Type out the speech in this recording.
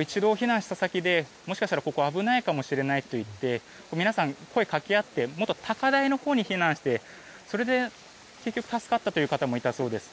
一度避難した先でもしかしたらここ危ないかもしれないといって皆さん、声をかけ合ってもっと高台のほうに避難をしてそれで結局助かったという方もいたそうです。